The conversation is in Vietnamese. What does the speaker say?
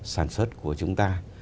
sản xuất của chúng ta